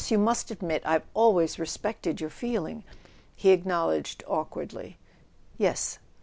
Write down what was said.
You must admit I've always respected your feeling. .." He acknowledged awkwardly: "Yes."